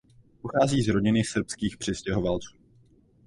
Pochází z rodiny srbských přistěhovalců.